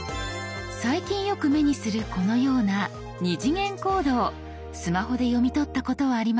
最近よく目にするこのような「２次元コード」をスマホで読み取ったことはありますか？